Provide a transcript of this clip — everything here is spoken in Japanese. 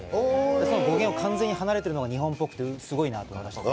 語源を完全に離れているのが日本っぽくて、すごいなと思いました。